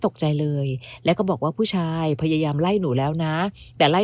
ตกใจเลยแล้วก็บอกว่าผู้ชายพยายามไล่หนูแล้วนะแต่ไล่